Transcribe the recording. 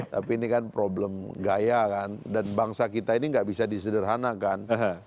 tapi ini kan problem gaya kan dan bangsa kita ini nggak bisa disederhanakan